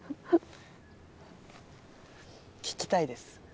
聞きたいです